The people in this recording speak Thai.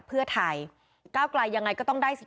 โหวตตามเสียงข้างมาก